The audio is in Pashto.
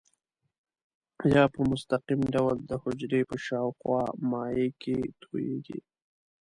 یا په مستقیم ډول د حجرې په شاوخوا مایع کې تویېږي.